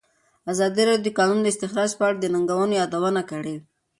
ازادي راډیو د د کانونو استخراج په اړه د ننګونو یادونه کړې.